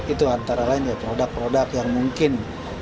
itu antara lain ya produk produk yang mungkin